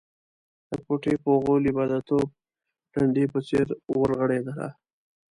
د کوټې په غولي به د توپ ډنډې په څېر ورغړېدله.